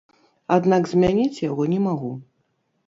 Аднак змяніць яго не магу.